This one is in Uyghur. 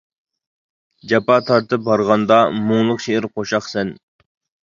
جاپا تارتىپ ھارغاندا، مۇڭلۇق شېئىر قوشاق سەن.